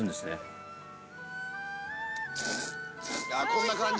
こんな感じ！